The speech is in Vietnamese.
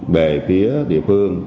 về phía địa phương